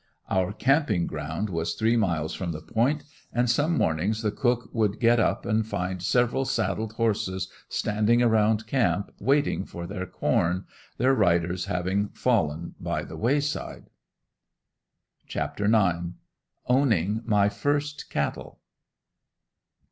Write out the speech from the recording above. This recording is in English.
Our camping ground was three miles from the Point, and some mornings the cook would get up and find several saddled horses standing around camp waiting for their corn their riders having fallen by the wayside. CHAPTER IX. OWNING MY FIRST CATTLE.